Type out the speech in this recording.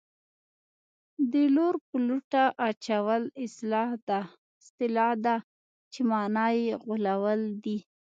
د لور په لوټه اچول اصطلاح ده چې مانا یې غولول دي